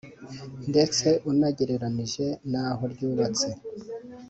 ndetse unagereranije n’aho ryubatse